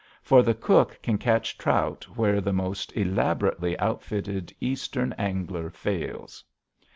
For the cook can catch trout where the most elaborately outfitted Eastern angler fails.